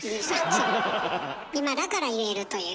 今だから言えるという。